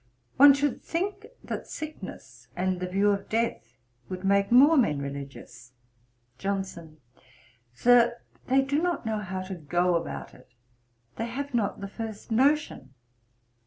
'One should think that sickness and the view of death would make more men religious.' JOHNSON. 'Sir, they do not know how to go about it: they have not the first notion.